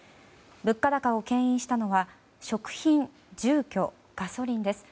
物価高を牽引したのは食品、住居、ガソリンです。